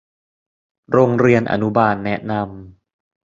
โรงเรียนอนุบาลแนะนำ